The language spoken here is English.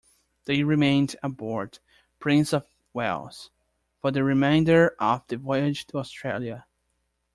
They remained aboard "Prince of Wales" for the remainder of the voyage to Australia.